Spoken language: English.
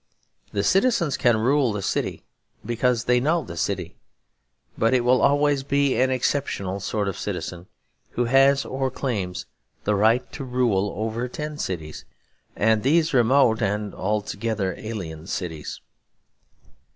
The citizens can rule the city because they know the city; but it will always be an exceptional sort of citizen who has or claims the right to rule over ten cities, and these remote and altogether alien cities.